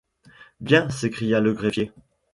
Bien! s’écria le greffier.